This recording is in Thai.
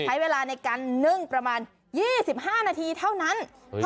ใช้เวลาในการนึ่งประมาณยี่สิบห้านาทีเท่านั้นเฮ้ย